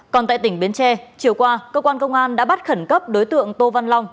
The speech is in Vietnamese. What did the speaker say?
còn tại tỉnh bến tre chiều qua cơ quan công an đã bắt khẩn cấp đối tượng tô văn long